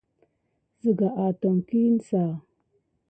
Ziga àton kik à vini gəlsoko.